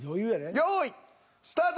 用意スタート！